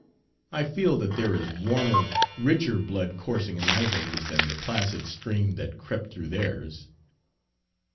I feel that there is warmer, richer blood coursing in my veins than the placid stream that crept through theirs."